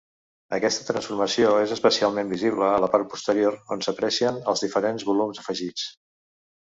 Aquesta transformació és especialment visible a la part posterior, on s'aprecien els diferents volums afegits.